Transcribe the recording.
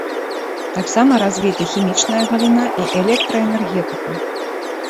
Таксама развіты хімічная галіна і электраэнергетыка.